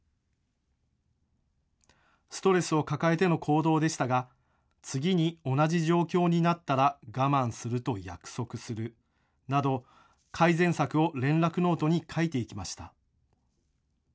ストレスを抱えての行動でしたが次に同じ状況になったら我慢すると約束するなど改善策を連絡ノートに書いていきました。